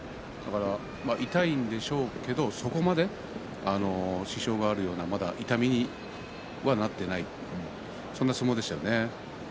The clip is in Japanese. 痛いんでしょうけれどもそこまで支障があるような痛みにはなっていないそんな相撲でしたね。